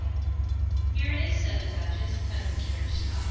XI "Here it is," said the Duchess, as the carriage stopped.